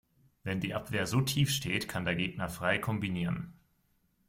Wenn die Abwehr so tief steht, kann der Gegner frei kombinieren.